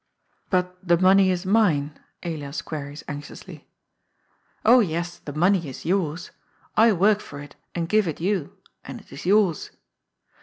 " But the money is mine ?" Elias queries anxiously. " Oh yes, the money is yours. I work for it, and give it you ; and it is yours."